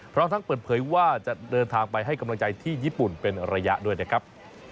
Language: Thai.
พร้อมทั้งเปิดเผยว่าจะเดินทางไปให้กำลังใจที่ญี่ปุ่นเป็นระยะด้วยนะครับ